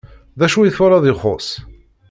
D acu i twalaḍ ixuṣṣ?